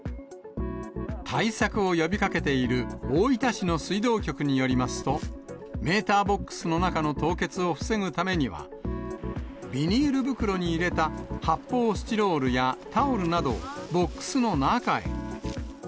対策を呼びかけている大分市の水道局によりますと、メーターボックスの中の凍結を防ぐためには、ビニール袋に入れた発泡スチロールやタオルなどをボックスの中へ。